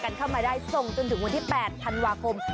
เข้ามาได้ส่งจนถึงวันที่๘ธันวาคม